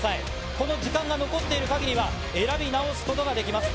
この時間が残っているかぎりは、選び直すことができます。